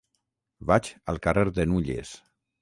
Vaig al carrer de Nulles.